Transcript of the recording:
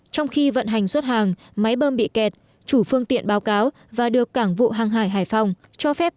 trong khi vận hành xuất hàng máy bơm bị kẹt chủ phương tiện báo cáo và được cảng vụ hàng hải hải phòng cho phép